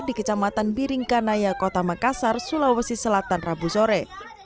di kecamatan biringkanaya kota makassar sulawesi selatan rabu sore